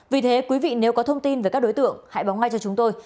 vì thế quý vị nếu có thông tin về các đối tượng hãy báo ngay cho chúng tôi